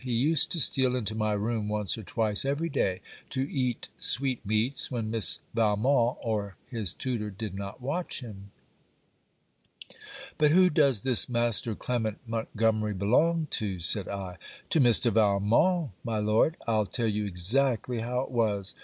He used to steal into my room once or twice every day to eat sweetmeats, when Miss Valmont or his tutor did not watch him.' 'But who does this Master Clement Montgomery belong to?' said I. 'To Mr. Valmont, my Lord. I'll tell you exactly how it was.